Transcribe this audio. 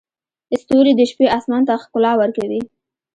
ستوري د شپې اسمان ته ښکلا ورکوي.